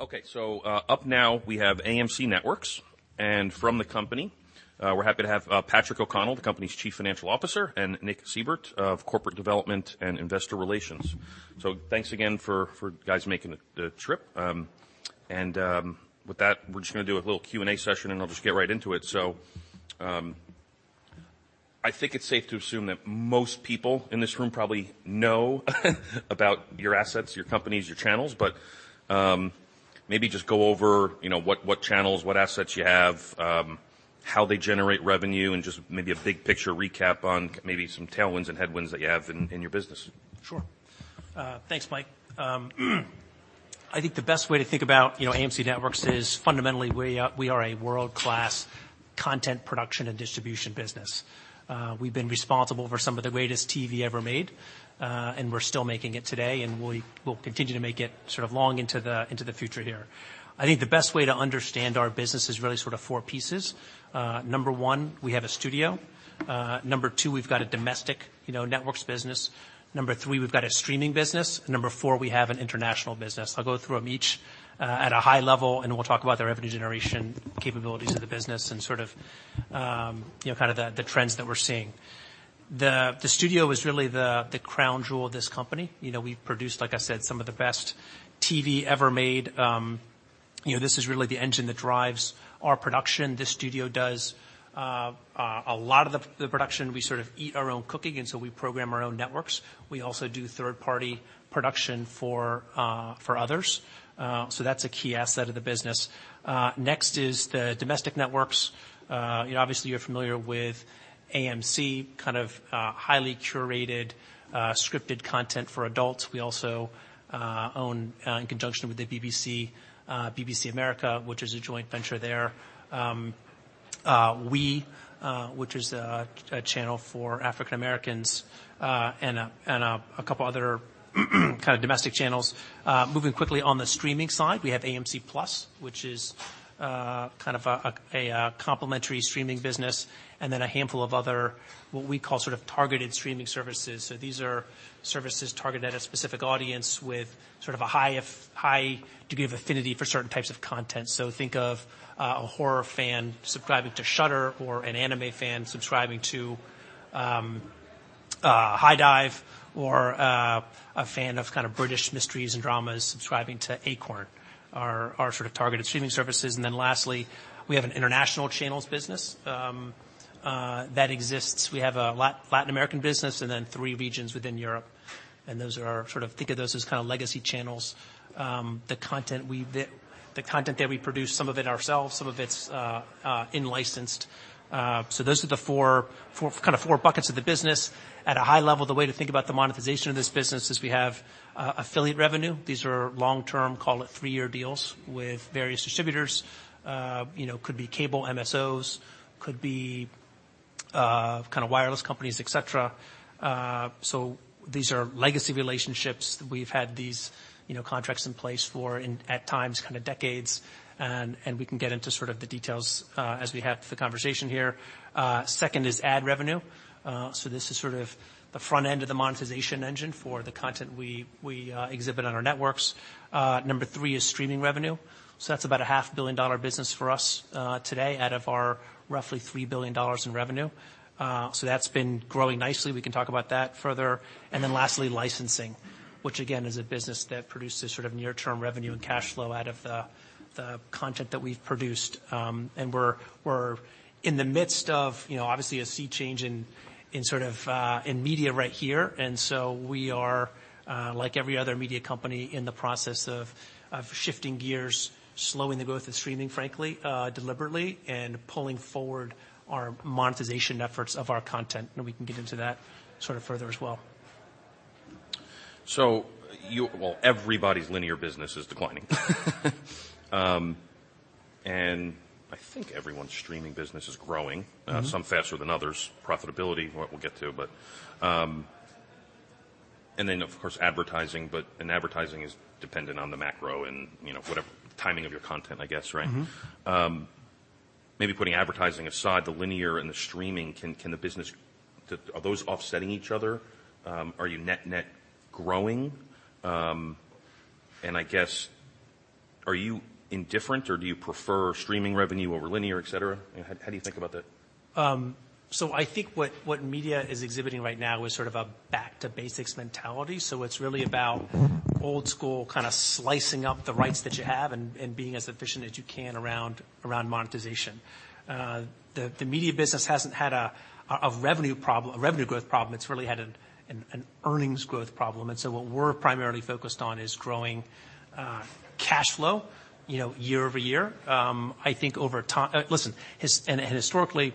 Okay. Up now we have AMC Networks. From the company, we're happy to have Patrick O'Connell, the company's Chief Financial Officer, and Nick Seibert of Corporate Development and Investor Relations. Thanks again for you guys making the trip. With that, we're just gonna do a little Q&A session. I'll just get right into it. I think it's safe to assume that most people in this room probably know about your assets, your companies, your channels. Maybe just go over, you know, what channels, what assets you have, how they generate revenue, and just maybe a big picture recap on maybe some tailwinds and headwinds that you have in your business. Sure. Thanks, Mike. I think the best way to think about, you know, AMC Networks is fundamentally we are a world-class content production and distribution business. We've been responsible for some of the greatest TV ever made, and we're still making it today, and we will continue to make it sort of long into the future here. I think the best way to understand our business is really sort of four pieces. Number one, we have a studio. Number two, we've got a domestic, you know, networks business. Number three, we've got a streaming business. Number four, we have an international business. I'll go through them each, at a high level, and we'll talk about the revenue generation capabilities of the business and sort of, you know, kinda the trends that we're seeing. The studio is really the crown jewel of this company. You know, we've produced, like I said, some of the best TV ever made. You know, this is really the engine that drives our production. This studio does a lot of the production. We sort of eat our own cooking, we program our own networks. We also do third-party production for others. That's a key asset of the business. Next is the domestic networks. You know, obviously you're familiar with AMC, kind of, highly curated, scripted content for adults. We also own in conjunction with the BBC America, which is a joint venture there. We, which is a channel for African Americans, and a couple other kind of domestic channels. Moving quickly on the streaming side, we have AMC+, which is kind of a complimentary streaming business, and then a handful of other, what we call sort of targeted streaming services. These are services targeted at a specific audience with sort of a high degree of affinity for certain types of content. Think of a horror fan subscribing to Shudder or an anime fan subscribing to HIDIVE or a fan of kind of British mysteries and dramas subscribing to Acorn, our sort of targeted streaming services. Lastly, we have an international channels business that exists. We have a Latin American business and then three regions within Europe. Those are our sort of think of those as kinda legacy channels. The content, the content that we produce, some of it ourselves, some of it's in-licensed. Those are the four buckets of the business. At a high level, the way to think about the monetization of this business is we have affiliate revenue. These are long-term, call it three year deals with various distributors. You know, could be cable MSOs, could be kinda wireless companies, et cetera. These are legacy relationships. We've had these, you know, contracts in place for in, at times, kinda decades. We can get into sort of the details as we have the conversation here. Second is ad revenue. This is sort of the front end of the monetization engine for the content we exhibit on our networks. Number three is streaming revenue. That's about a half billion-dollar business for us today out of our roughly $3 billion in revenue. That's been growing nicely. We can talk about that further. Then lastly, licensing, which again is a business that produces sort of near-term revenue and cash flow out of the content that we've produced. We're in the midst of, you know, obviously a sea change in sort of in media right here. We are like every other media company, in the process of shifting gears, slowing the growth of streaming, frankly, deliberately, and pulling forward our monetization efforts of our content. We can get into that sort of further as well. Well, everybody's linear business is declining. I think everyone's streaming business is growing-. Mm-hmm. Some faster than others. Profitability, what we'll get to, but. Then, of course, advertising, but advertising is dependent on the macro and, you know, whatever timing of your content, I guess, right? Mm-hmm. Maybe putting advertising aside, the linear and the streaming, are those offsetting each other? Are you net-net growing? I guess, are you indifferent or do you prefer streaming revenue over linear, et cetera? How do you think about that? I think what media is exhibiting right now is sort of a back to basics mentality. It's really about old school kinda slicing up the rights that you have and being as efficient as you can around monetization. The media business hasn't had a revenue growth problem, it's really had an earnings growth problem. What we're primarily focused on is growing cash flow, you know, year-over-year. I think Listen, historically,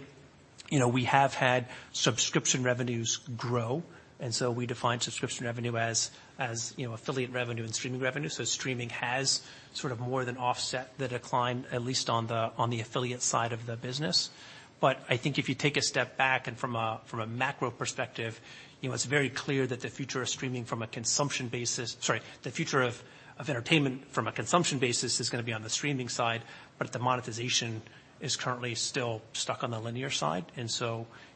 you know, we have had subscription revenues grow, and we define subscription revenue as, you know, affiliate revenue and streaming revenue. Streaming has sort of more than offset the decline, at least on the affiliate side of the business. I think if you take a step back and from a, from a macro perspective, you know, it's very clear that the future of entertainment from a consumption basis is gonna be on the streaming side, but the monetization is currently still stuck on the linear side.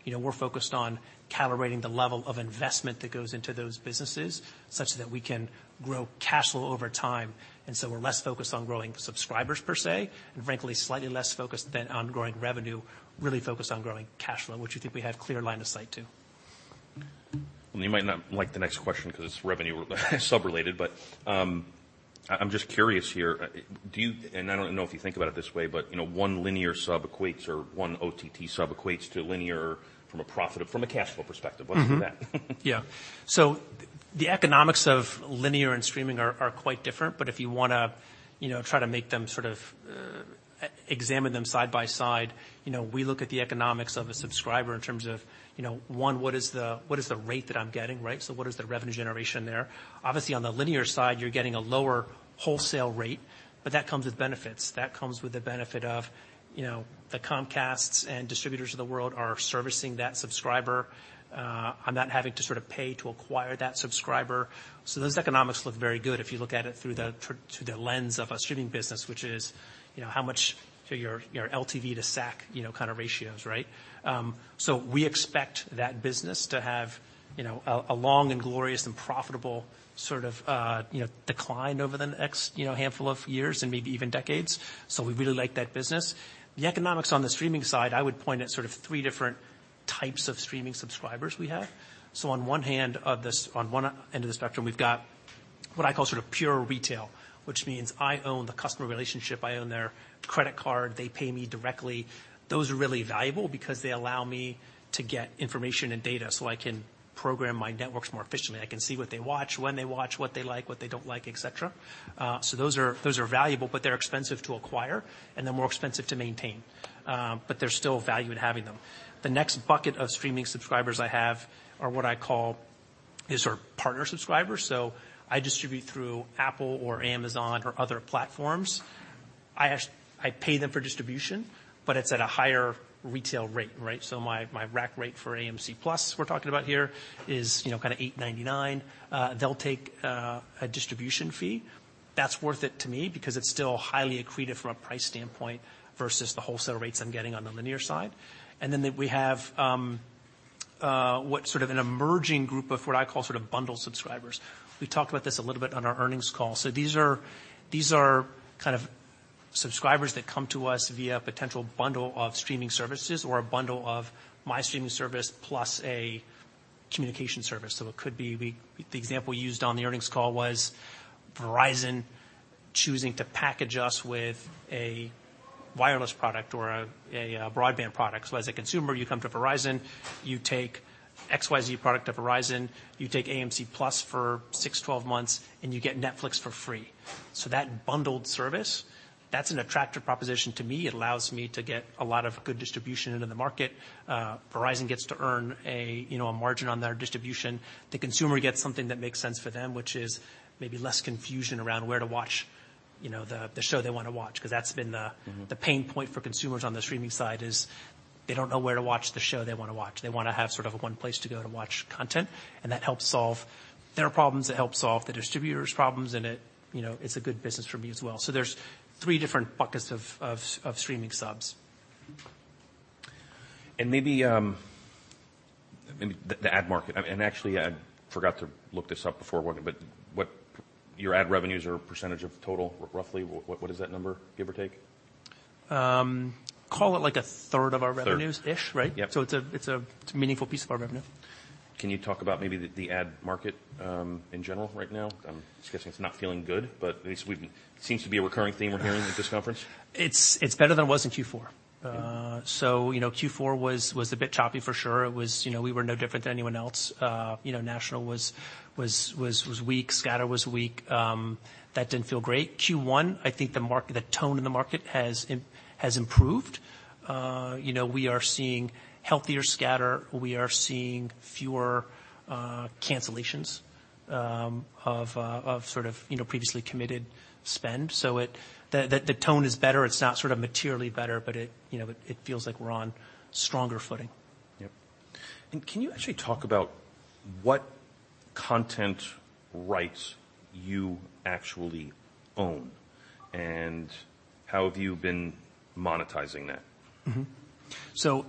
You know, we're focused on calibrating the level of investment that goes into those businesses such that we can grow cash flow over time. We're less focused on growing subscribers per se, and frankly, slightly less focused then on growing revenue, really focused on growing cash flow, which I think we have clear line of sight to. You might not like the next question 'cause it's revenue sub-related, but, I'm just curious here, do you... And I don't know if you think about it this way, but, you know, one linear sub equates or one OTT sub equates to linear from a cash flow perspective. Mm-hmm. What is that? Yeah. The economics of linear and streaming are quite different. If you wanna, you know, try to make them sort of examine them side by side, you know, we look at the economics of a subscriber in terms of, you know, one, what is the rate that I'm getting, right? What is the revenue generation there? Obviously, on the linear side, you're getting a lower wholesale rate, but that comes with benefits. That comes with the benefit of, you know, the Comcasts and distributors of the world are servicing that subscriber. I'm not having to sort of pay to acquire that subscriber. Those economics look very good if you look at it through. Yeah... through the lens of a streaming business, which is, you know, how much to your LTV to CAC, you know, kinda ratios, right? We expect that business to have, you know, a long and glorious and profitable sort of, you know, decline over the next, you know, handful of years and maybe even decades. We really like that business. The economics on the streaming side, I would point at sort of three different types of streaming subscribers we have. On one end of the spectrum, we've got what I call sort of pure retail, which means I own the customer relationship, I own their credit card, they pay me directly. Those are really valuable because they allow me to get information and data, so I can program my networks more efficiently. I can see what they watch, when they watch, what they like, what they don't like, et cetera. Those are, those are valuable, but they're expensive to acquire, and they're more expensive to maintain. But there's still value in having them. The next bucket of streaming subscribers I have are what I call is our partner subscribers. I distribute through Apple or Amazon or other platforms. I pay them for distribution, but it's at a higher retail rate, right? My, my rack rate for AMC+ we're talking about here is, you know, kinda $8.99. They'll take a distribution fee. That's worth it to me because it's still highly accretive from a price standpoint versus the wholesale rates I'm getting on the linear side. We have what sort of an emerging group of what I call sort of bundled subscribers. We talked about this a little bit on our earnings call. These are kind of subscribers that come to us via a potential bundle of streaming services or a bundle of my streaming service plus a communication service. It could be the example used on the earnings call was Verizon choosing to package us with a wireless product or a broadband product. As a consumer, you come to Verizon, you take XYZ product of Verizon, you take AMC+ for six, 12 months, and you get Netflix for free. That bundled service, that's an attractive proposition to me. It allows me to get a lot of good distribution into the market. Verizon gets to earn a, you know, a margin on their distribution. The consumer gets something that makes sense for them, which is maybe less confusion around where to watch, you know, the show they wanna watch, 'cause that's been. Mm-hmm... the pain point for consumers on the streaming side is they don't know where to watch the show they wanna watch. They wanna have sort of one place to go to watch content, and that helps solve their problems, it helps solve the distributor's problems, and it, you know, it's a good business for me as well. There's three different buckets of streaming subs. Maybe, the ad market. Actually, I forgot to look this up before, but your ad revenues are a percentage of total roughly. What is that number, give or take? call it like a third of our revenues. Third ish, right? Yeah. It's a meaningful piece of our revenue. Can you talk about maybe the ad market in general right now? I'm guessing it's not feeling good, but at least seems to be a recurring theme we're hearing at this conference. It's better than it was in Q4. You know, Q4 was a bit choppy for sure. You know, we were no different than anyone else. You know, national was weak. Scatter was weak. That didn't feel great. Q1, I think the tone in the market has improved. You know, we are seeing healthier scatter. We are seeing fewer cancellations of sort of, you know, previously committed spend. The tone is better. It's not sort of materially better, you know, it feels like we're on stronger footing. Yep. Can you actually talk about what content rights you actually own, and how have you been monetizing that?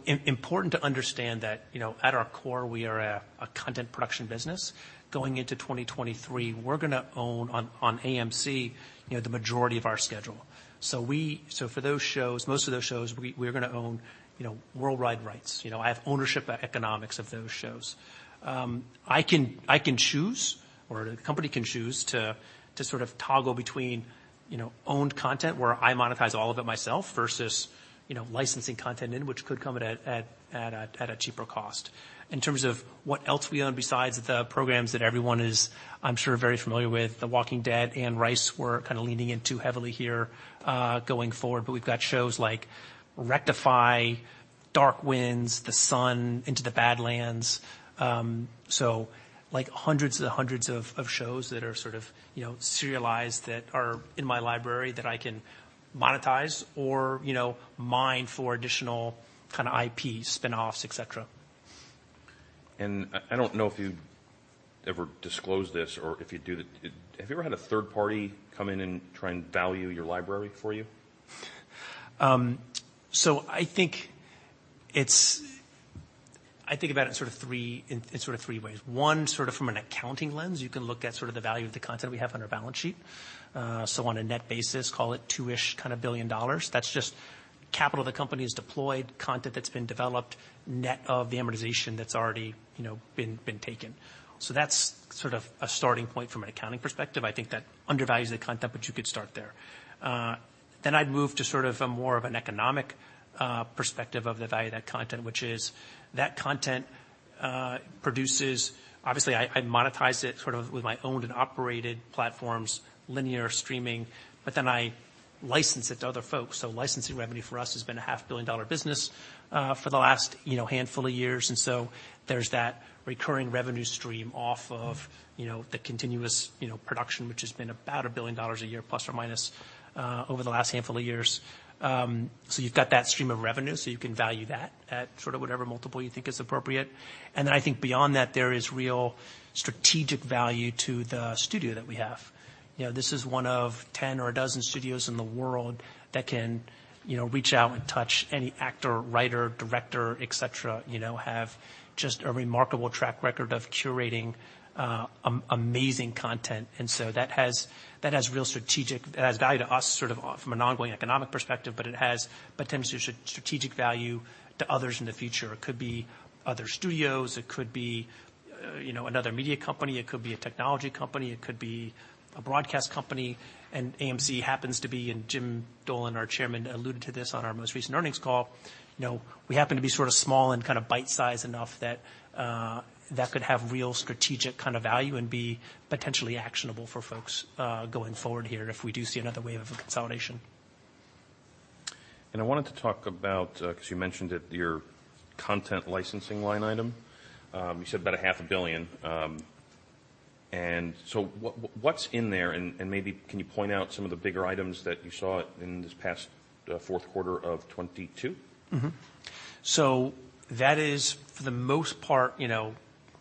Important to understand that, you know, at our core, we are a content production business. Going into 2023, we're gonna own on AMC, you know, the majority of our schedule. For those shows, most of those shows, we're gonna own, you know, worldwide rights. You know, I have ownership economics of those shows. I can choose or the company can choose to sort of toggle between, you know, owned content where I monetize all of it myself versus, you know, licensing content in which could come at a cheaper cost. In terms of what else we own besides the programs that everyone is, I'm sure, very familiar with, The Walking Dead and Rice, we're kinda leaning into heavily here going forward. We've got shows like Rectify, Dark Winds, The Son, Into the Badlands. Like hundreds and hundreds of shows that are sort of, you know, serialized that are in my library that I can monetize or, you know, mine for additional kinda IP spinoffs, et cetera. I don't know if you've ever disclosed this or if you do, have you ever had a third party come in and try and value your library for you? I think about it in sort of three ways. One, sort of from an accounting lens. You can look at sort of the value of the content we have on our balance sheet. On a net basis, call it $2-ish kinda billion. That's Capital of the company is deployed, content that's been developed, net of the amortization that's already, you know, been taken. That's sort of a starting point from an accounting perspective. I think that undervalues the content, but you could start there. I'd move to sort of a more of an economic perspective of the value of that content, which is that content produces... Obviously, I monetize it sort of with my owned and operated platforms, linear streaming, but then I license it to other folks. Licensing revenue for us has been a half billion-dollar business, for the last, you know, handful of years. There's that recurring revenue stream off of, you know, the continuous, you know, production, which has been about $1 billion a year ± over the last handful of years. You've got that stream of revenue, so you can value that at sort of whatever multiple you think is appropriate. I think beyond that, there is real strategic value to the studio that we have. You know, this is one of 10 or a dozen studios in the world that can, you know, reach out and touch any actor, writer, director, et cetera, you know, have just a remarkable track record of curating amazing content. That has real strategic... It has value to us sort of from an ongoing economic perspective, but it has potentially strategic value to others in the future. It could be other studios, it could be, you know, another media company, it could be a technology company, it could be a broadcast company. AMC happens to be, and Jim Dolan, our Chairman, alluded to this on our most recent earnings call, you know, we happen to be sort of small and kind of bite-sized enough that that could have real strategic kind of value and be potentially actionable for folks going forward here if we do see another wave of consolidation. I wanted to talk about, 'cause you mentioned it, your content licensing line item. You said about a half a billion. What's in there, and maybe can you point out some of the bigger items that you saw in this past, fourth quarter of 2022? That is, for the most part, you know,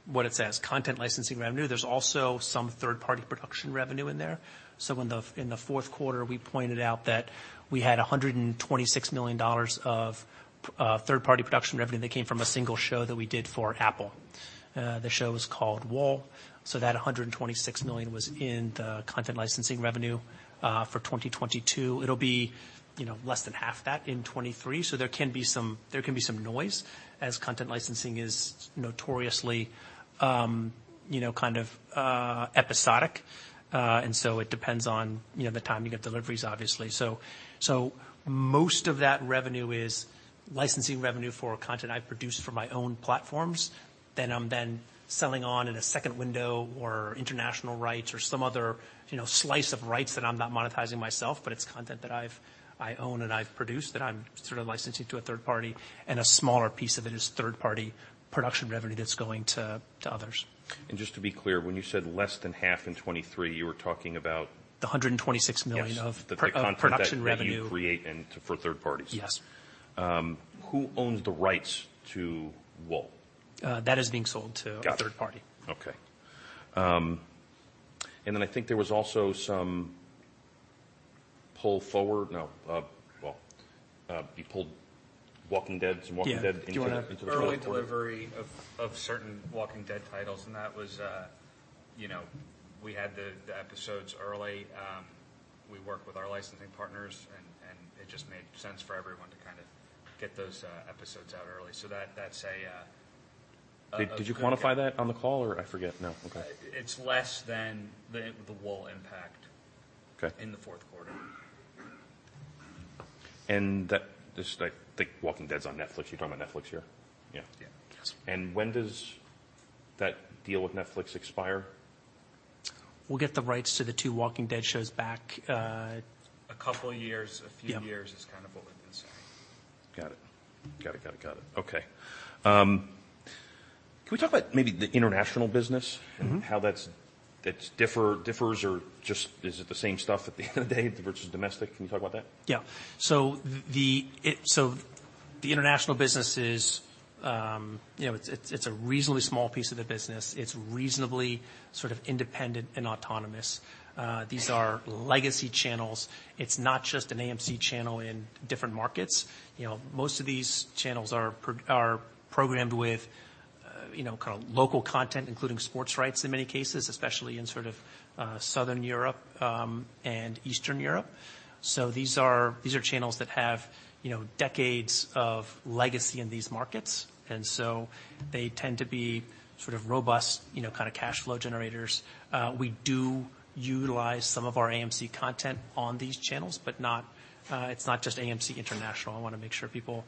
what it says, content licensing revenue. There's also some third-party production revenue in there. In the fourth quarter, we pointed out that we had $126 million of third-party production revenue that came from a single show that we did for Apple. The show was called Wall. That $126 million was in the content licensing revenue for 2022. It'll be, you know, less than half that in 2023. There can be some noise as content licensing is notoriously, you know, kind of episodic. It depends on, you know, the timing of deliveries, obviously. Most of that revenue is licensing revenue for content I produce for my own platforms that I'm then selling on in a second window or international rights or some other, you know, slice of rights that I'm not monetizing myself, but it's content that I own and I've produced that I'm sort of licensing to a third party, and a smaller piece of it is third-party production revenue that's going to others. Just to be clear, when you said less than half in 2023, you were talking about? The $126 million. Yes ...pro-production revenue. The content that you create and for third parties. Yes. Who owns the rights to Wall? That is being sold. Got it. A third party. Okay. I think there was also some pull forward. No. Well, you pulled The Walking Dead. Yeah. Do you wanna- Into the fourth quarter. Early delivery of certain Walking Dead titles. That was, you know, we had the episodes early. We worked with our licensing partners and it just made sense for everyone to kind of get those episodes out early. That's a. Did you quantify that on the call or I forget now? Okay. It's less than The Wall impact- Okay ...in the fourth quarter. Just I think Walking Dead's on Netflix. You're talking about Netflix here? Yeah. Yeah. Yes. When does that deal with Netflix expire? We'll get the rights to the two Walking Dead shows back. A couple years- Yeah. A few years is kind of what we've been saying. Got it. Okay. Can we talk about maybe the international business? Mm-hmm How that's differs or just is it the same stuff at the end of the day versus domestic? Can you talk about that? Yeah. The international business is, you know, it's a reasonably small piece of the business. It's reasonably sort of independent and autonomous. These are legacy channels. It's not just an AMC channel in different markets. You know, most of these channels are programmed with, you know, kind of local content, including sports rights in many cases, especially in sort of Southern Europe and Eastern Europe. These are channels that have, you know, decades of legacy in these markets, they tend to be sort of robust, you know, kind of cash flow generators. We do utilize some of our AMC content on these channels, but not, it's not just AMC international. I wanna make sure people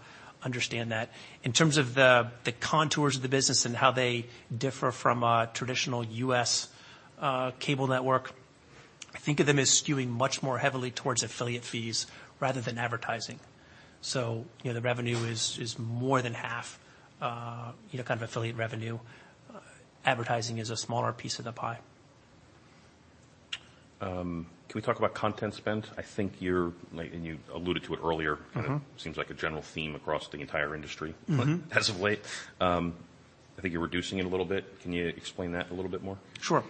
understand that. In terms of the contours of the business and how they differ from a traditional U.S. cable network, I think of them as skewing much more heavily towards affiliate fees rather than advertising. You know, the revenue is more than half, you know, kind of affiliate revenue. Advertising is a smaller piece of the pie. Can we talk about content spend? I think you alluded to it earlier. Mm-hmm. Kind of seems like a general theme across the entire industry. Mm-hmm ...passively. I think you're reducing it a little bit. Can you explain that a little bit more? Sure.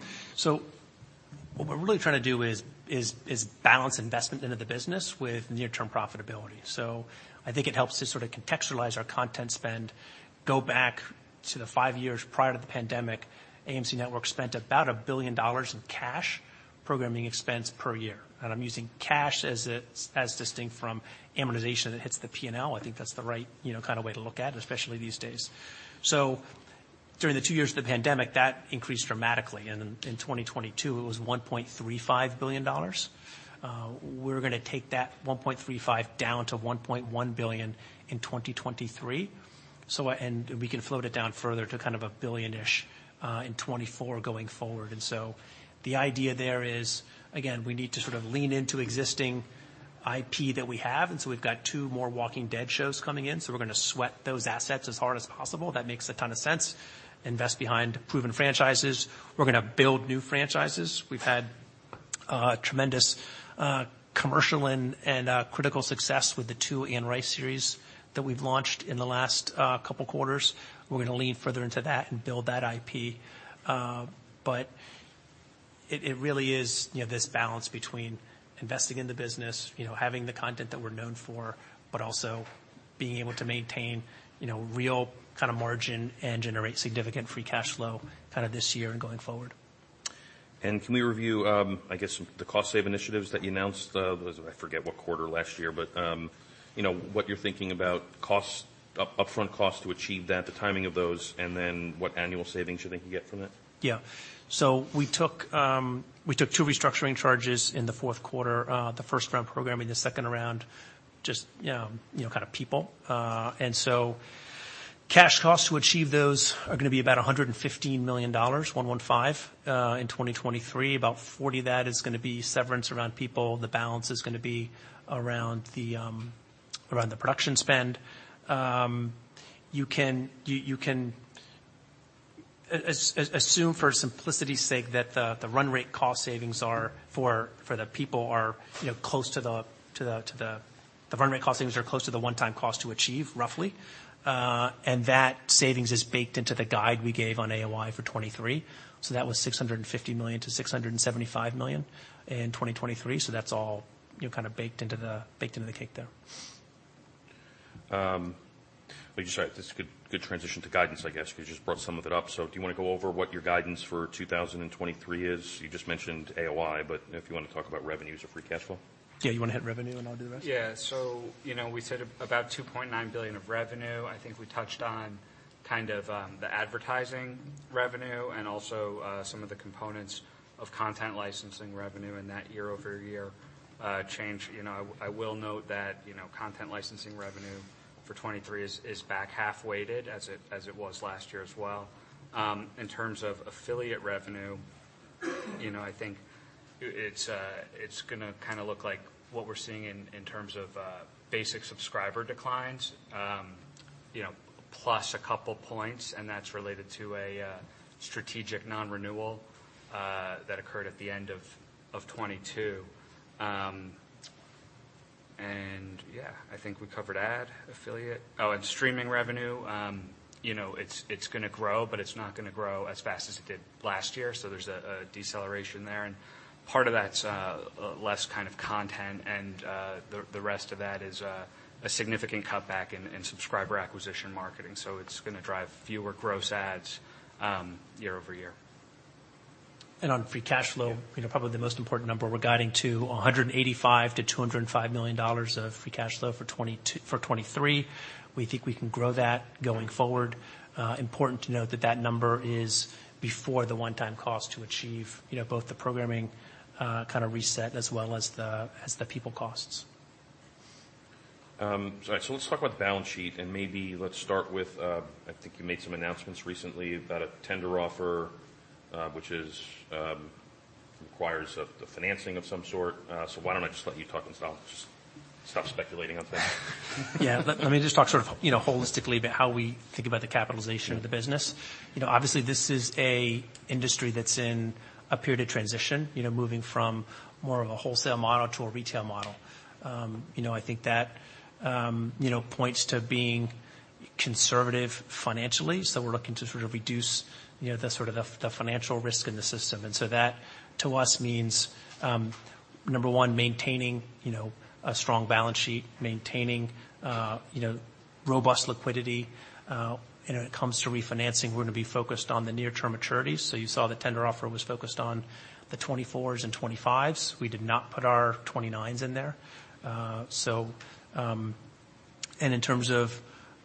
What we're really trying to do is balance investment into the business with near-term profitability. I think it helps to sort of contextualize our content spend. Go back to the five years prior to the pandemic, AMC Networks spent about $1 billion in cash programming expense per year. I'm using cash as distinct from amortization that hits the P&L. I think that's the right, you know, kind of way to look at, especially these days. During the two years of the pandemic, that increased dramatically. In 2022, it was $1.35 billion. We're gonna take that $1.35 billion down to $1.1 billion in 2023. And we can float it down further to kind of a billion-ish in 2024 going forward. The idea there is, again, we need to sort of lean into existing IP that we have. We've got two more Walking Dead shows coming in, so we're gonna sweat those assets as hard as possible. That makes a ton of sense. Invest behind proven franchises. We're gonna build new franchises. We've had tremendous commercial and critical success with the two Anne Rice series that we've launched in the last couple quarters. We're gonna lean further into that and build that IP. It really is, you know, this balance between investing in the business, you know, having the content that we're known for, but also being able to maintain, you know, real kind of margin and generate significant free cash flow kind of this year and going forward. Can we review, I guess the cost save initiatives that you announced, I forget what quarter last year, but, you know, what you're thinking about costs, upfront costs to achieve that, the timing of those, and then what annual savings you think you get from that? Yeah. We took two restructuring charges in the fourth quarter, the first round programming, the second around just, you know, kind of people. Cash costs to achieve those are gonna be about $115 million, one one five, in 2023. About 40 of that is gonna be severance around people. The balance is gonna be around the production spend. You can assume for simplicity's sake that the run rate cost savings are for the people are, you know, the run rate cost savings are close to the one-time cost to achieve roughly. That savings is baked into the guide we gave on AOI for 2023. That was $650 million-$675 million in 2023. That's all, you know, kind of baked into the, baked into the cake there. I think it's right. This is a good transition to guidance, I guess, 'cause you just brought some of it up. Do you wanna go over what your guidance for 2023 is? You just mentioned AOI, but if you wanna talk about revenues or Free Cash Flow. Yeah. You wanna hit revenue, and I'll do the rest? Yeah. You know, we said about $2.9 billion of revenue. I think we touched on kind of the advertising revenue and also some of the components of content licensing revenue and that year-over-year change. You know, I will note that, you know, content licensing revenue for 2023 is back half weighted as it was last year as well. In terms of affiliate revenue, you know, I think it's gonna kinda look like what we're seeing in terms of basic subscriber declines, you know, plus a couple points, and that's related to a strategic non-renewal that occurred at the end of 2022. Yeah, I think we covered ad affiliate. Streaming revenue, you know, it's gonna grow, but it's not gonna grow as fast as it did last year. There's a deceleration there. Part of that's less kind of content, the rest of that is a significant cutback in subscriber acquisition marketing. It's gonna drive fewer gross ads, year-over-year. On Free Cash Flow. Yeah... you know, probably the most important number we're guiding to $185 million-$205 million of Free Cash Flow for 2023. We think we can grow that going forward. important to note that that number is before the one-time cost to achieve, you know, both the programming, kind of reset as well as the people costs. Let's talk about the balance sheet, and maybe let's start with I think you made some announcements recently about a tender offer, which is requires the financing of some sort. Why don't I just let you talk and stop speculating on things? Yeah. Let me just talk sort of, you know, holistically about how we think about the capitalization of the business. You know, obviously, this is a industry that's in a period of transition, you know, moving from more of a wholesale model to a retail model. You know, I think that, you know, points to being conservative financially. We're looking to sort of reduce, you know, the sort of the financial risk in the system. That, to us, means, number one, maintaining, you know, a strong balance sheet, maintaining, you know, robust liquidity. When it comes to refinancing, we're gonna be focused on the near-term maturities. You saw the tender offer was focused on the 2024s and 2025s. We did not put our 2029s in there. In terms of,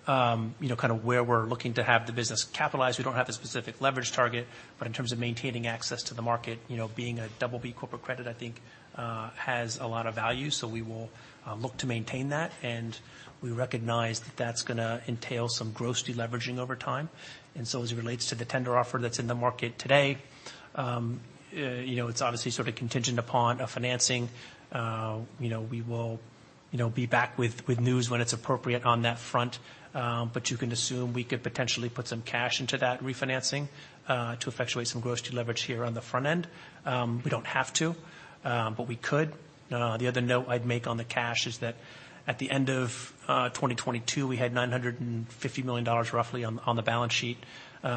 you know, kind of where we're looking to have the business capitalized, we don't have a specific leverage target, but in terms of maintaining access to the market, you know, being a BB corporate credit, I think, has a lot of value. We will look to maintain that, and we recognize that that's gonna entail some gross deleveraging over time. As it relates to the tender offer that's in the market today, you know, it's obviously sort of contingent upon a financing. You know, we will, you know, be back with news when it's appropriate on that front. You can assume we could potentially put some cash into that refinancing to effectuate some gross deleverage here on the front end. We don't have to, but we could. The other note I'd make on the cash is that at the end of 2022, we had $950 million roughly on the balance sheet.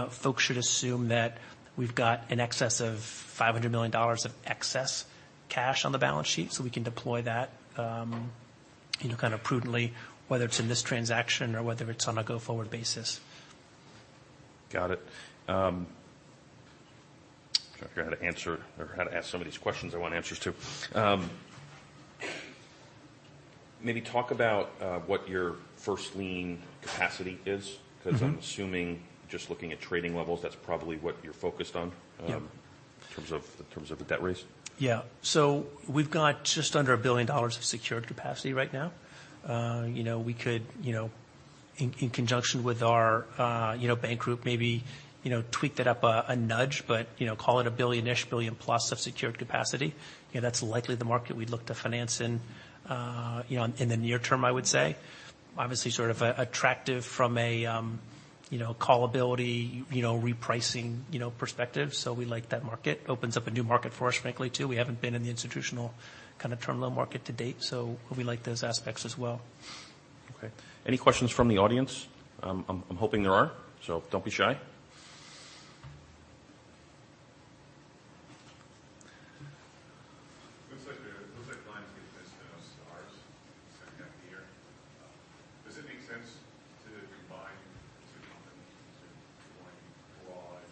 Folks should assume that we've got an excess of $500 million of excess cash on the balance sheet. We can deploy that, you know, kind of prudently, whether it's in this transaction or whether it's on a go-forward basis. Got it. trying to figure how to answer or how to ask some of these questions I want answers to. Maybe talk about what your first lien capacity is? Mm-hmm. Because I'm assuming just looking at trading levels, that's probably what you're focused on. Yeah. In terms of the debt raise. Yeah. We've got just under $1 billion of secured capacity right now. You know, we could, you know, in conjunction with our, you know, bank group, maybe, you know, tweak that up a nudge, but, you know, call it $1 billion-ish, $1 billion plus of secured capacity. You know, that's likely the market we'd look to finance in, you know, in the near term, I would say. Obviously sort of attractive from a, you know, callability, you know, repricing, you know, perspective. We like that market. Opens up a new market for us, frankly, too. We haven't been in the institutional kind of term loan market to date, so we like those aspects as well. Okay. Any questions from the audience? I'm hoping there are, don't be shy. Looks like Lionsgate and Starz second half of the year. Does it make sense to combine the two companies into one broad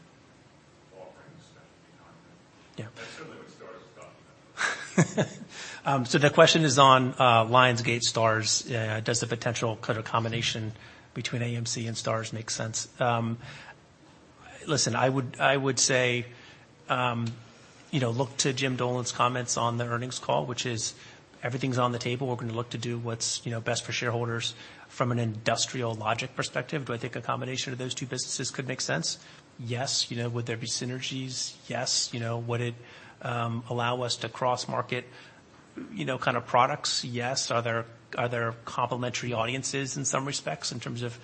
offering instead of being on them? Yeah. That certainly what Starz is talking about. The question is on Lionsgate, Starz. Does the potential kind of combination between AMC and Starz make sense? Listen, I would say, look to Jim Dolan's comments on the earnings call, which is everything's on the table. We're gonna look to do what's best for shareholders. From an industrial logic perspective, do I think a combination of those two businesses could make sense? Yes. Would there be synergies? Yes. Would it allow us to cross-market kind of products? Yes. Are there complementary audiences in some respects in terms of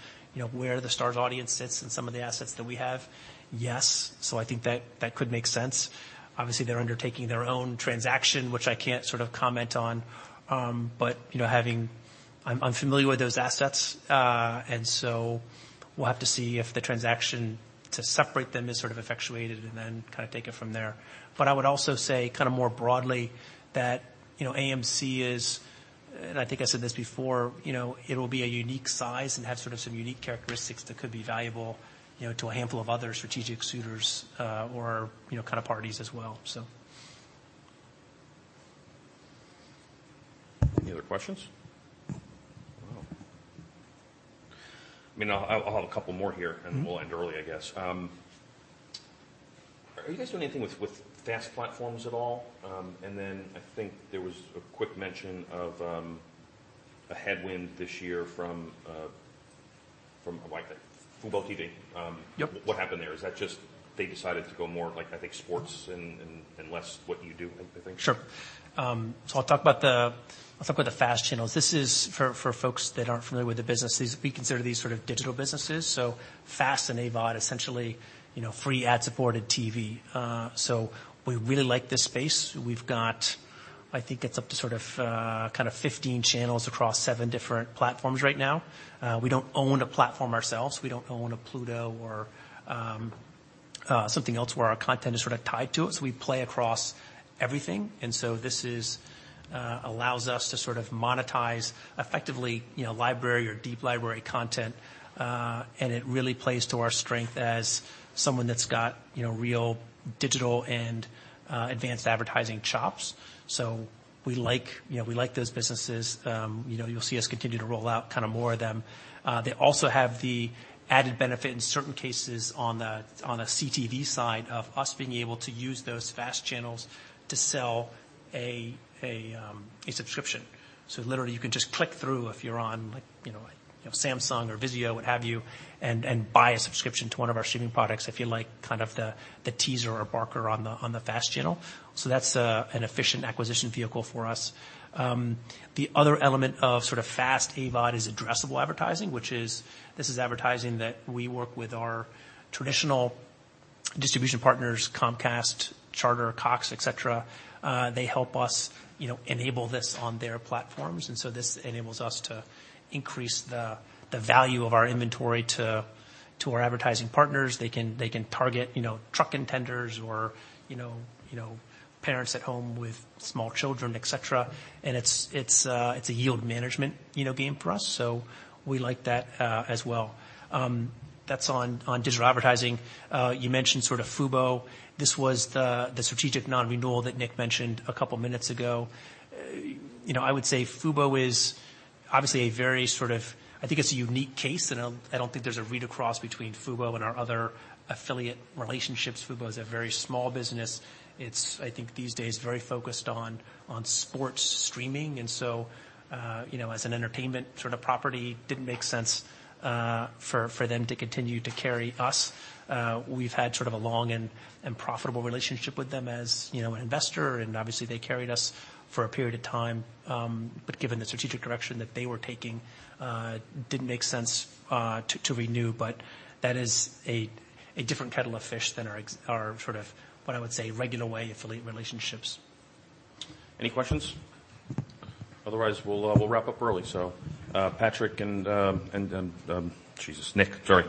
where the Starz audience sits and some of the assets that we have? Yes. I think that could make sense. Obviously they're undertaking their own transaction, which I can't sort of comment on. You know, I'm familiar with those assets. We'll have to see if the transaction to separate them is sort of effectuated and then kind of take it from there. I would also say kind of more broadly that, you know, AMC is, and I think I said this before, you know, it'll be a unique size and have sort of some unique characteristics that could be valuable, you know, to a handful of other strategic suitors, or, you know, kind of parties as well. Any other questions? Well, I mean, I'll have a couple more here. Mm-hmm. we'll end early, I guess. Are you guys doing anything with FAST platforms at all? I think there was a quick mention of, a headwind this year from like Fubo TV. Yep. What happened there? Is that just they decided to go more like, I think, sports and less what you do, I think? Sure. I'll talk about the FAST channels. This is for folks that aren't familiar with the business, we consider these sort of digital businesses. FAST and AVOD, essentially, you know, free ad-supported TV. We really like this space. We've got I think it's up to sort of, kind of 15 channels across seven different platforms right now. We don't own a platform ourselves. We don't own a Pluto or something else where our content is sort of tied to it, so we play across everything. This is, allows us to sort of monetize effectively, you know, library or deep library content. And it really plays to our strength as someone that's got, you know, real digital and advanced advertising chops. We like, you know, we like those businesses. You know, you'll see us continue to roll out kind of more of them. They also have the added benefit in certain cases on the CTV side of us being able to use those FAST channels to sell a subscription. Literally, you can just click through if you're on like, you know, Samsung or Vizio, what have you, and buy a subscription to one of our streaming products if you like kind of the teaser or barker on the FAST channel. That's an efficient acquisition vehicle for us. The other element of sort of FAST AVOD is addressable advertising, which is this is advertising that we work with our traditional distribution partners, Comcast, Charter, Cox, et cetera. They help us, you know, enable this on their platforms. This enables us to increase the value of our inventory to our advertising partners. They can target, you know, truck intenders or, you know, parents at home with small children, et cetera. It's a yield management, you know, game for us, so we like that as well. That's on digital advertising. You mentioned sort of Fubo. This was the strategic non-renewal that Nick mentioned a couple minutes ago. You know, I would say Fubo is obviously a very sort of I think it's a unique case, and I don't think there's a read-across between Fubo and our other affiliate relationships. Fubo is a very small business. It's, I think, these days very focused on sports streaming. You know, as an entertainment sort of property, didn't make sense for them to continue to carry us. We've had sort of a long and profitable relationship with them as, you know, an investor, and obviously, they carried us for a period of time. Given the strategic direction that they were taking, didn't make sense to renew. That is a different kettle of fish than our sort of, what I would say, regular way affiliate relationships. Any questions? Otherwise, we'll wrap up early. Patrick and Jesus. Nick, sorry.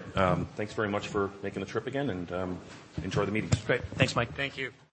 Thanks very much for making the trip again and enjoy the meetings. Great. Thanks, Mike. Thank you.